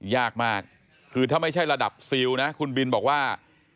ยากมากคือถ้าไม่ใช่ระดับซิลนะคุณบินบอกว่า